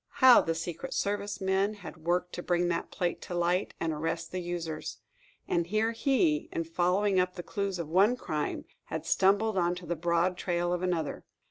How the Secret Service men had worked to bring that plate to light, and arrest the users! And here he, in following up the clues of one crime, had stumbled upon the broad trail of another.